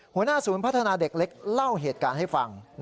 หัวหน้าศูนย์พัฒนาเด็กเล็กเล่าเหตุการณ์ให้ฟัง